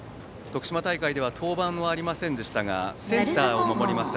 徳島大会では登板はありませんでしたがセンターを守ります